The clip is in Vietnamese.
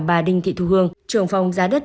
bà đinh thị thu hương trưởng phòng giá đất